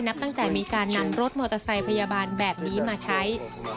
นับตั้งแต่มีการนำรถมอเตอร์ไซค์พยาบาลแบบนี้มาใช้